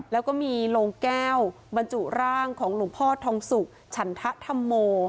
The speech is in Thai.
แล้วก็มีโรงแก้วบรรจุร่างของหลวงพ่อทองสุกฉันทะธรรมโม